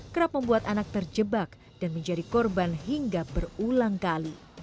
kerap membuat anak terjebak dan menjadi korban hingga berulang kali